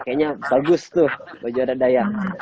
kayaknya bagus tuh baju adat dayak